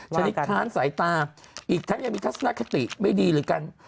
ชนิดค้านสายตาอีกครั้งยังมีคลักษณะคติไม่ดีเลยกัน